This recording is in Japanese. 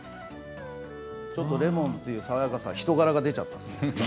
ちょっとレモンという爽やかさ、人柄が出ちゃった。